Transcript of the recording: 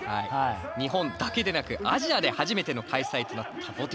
日本だけでなくアジアで初めての開催となったＢＯＴＹ。